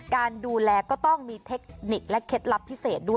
การดูแลก็ต้องมีเทคนิคและเคล็ดลับพิเศษด้วย